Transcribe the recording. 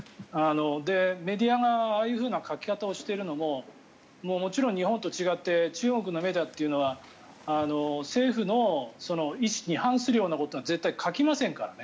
メディアがああいう書き方をしているのももちろん日本と違って中国のメディアというのは政府の意思に反するようなことは絶対書きませんからね。